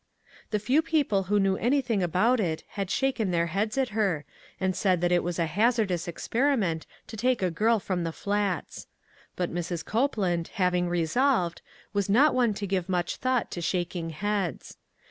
The few people who knew anything about it had shaken their heads at her, and said that it was a hazardous experi ment to take a girl from the Flats ; but Mrs. Copeland, having resolved, was not one to give much thought to shaking heads.